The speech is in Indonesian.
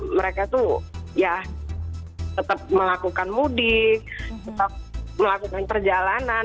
mereka tuh ya tetap melakukan mudik tetap melakukan perjalanan